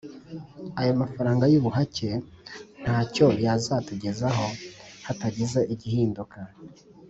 ayo mafaranga y’ ubuhake ntacyo yazatugezeho hatagize igihinduka